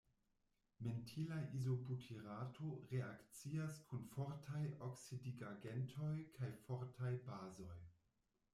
Mentila izobutirato reakcias kun fortaj oksidigagentoj kaj fortaj bazoj.